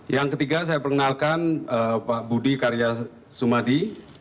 yang ketiga saya mengenalkan pak budi karyasumadi